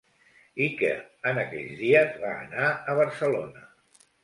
I que, en aquells dies, va anar a Barcelona.